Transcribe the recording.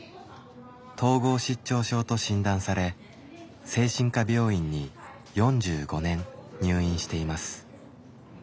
統合失調症と診断され精神科病院に４５年入院しています。